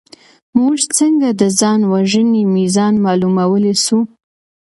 موږ څنګه د ځان وژنې ميزان معلومولی سو؟